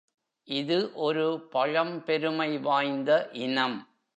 இது ஒரு பழம் பெருமை வாய்ந்த இனம்.